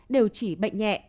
đều chỉ bệnh nhẹ